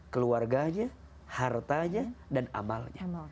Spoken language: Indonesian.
keluarganya hartanya dan amalnya